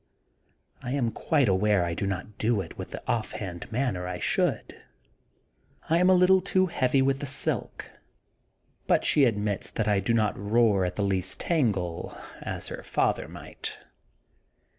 I am quite aware I do not do it in the off hand manner I should. I am a little too heavy with the silk but she admits that I do not roar at the least tangle, as her father might.